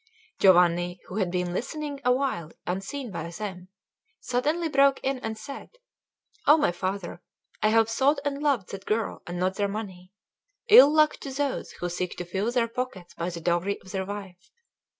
Giovanni, who had been listening awhile unseen by them, suddenly broke in and said: "O my father, I have sought and loved that girl and not their money. Ill luck to those who seek to fill their pockets by the dowry of their wife!